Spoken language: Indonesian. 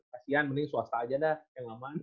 kasian mendingan swasta aja dah yang aman